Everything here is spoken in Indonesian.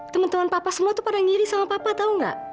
temen temen papa semua tuh pada ngiri sama papa tau nggak